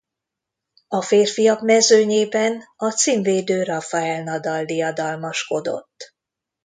A férfiak mezőnyében a címvédő Rafael Nadal diadalmaskodott.